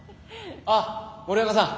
あっ森若さん